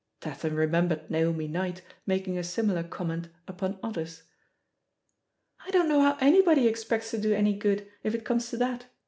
'* Tatham remembered Naomi Knight making a similar comment upon others. "I don't know how anybody expects to do any good, if it comes to that.